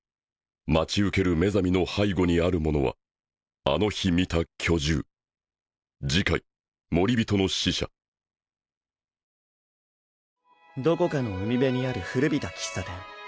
待ち受けるメザミの背後にあるものはあの日見た巨獣どこかの海辺にある古びた喫茶店。